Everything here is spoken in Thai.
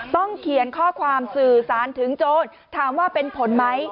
เขียนข้อความสื่อสารถึงโจรถามว่าเป็นผลไหม